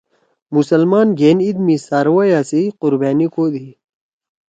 مسلمان گھین عید می څاروئیا سی قُربأنی کودی۔